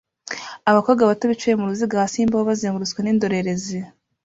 Abakobwa bato bicaye muruziga hasi yimbaho bazengurutswe nindorerezi